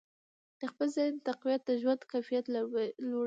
د خپل ذهن تقویت د ژوند کیفیت لوړوي.